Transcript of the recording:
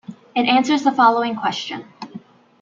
It answers the following question.